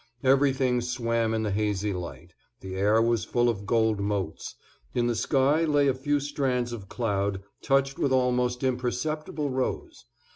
Everything swam in the hazy light; the air was full of gold motes; in the sky lay a few strands of cloud, touched with almost imperceptible rose.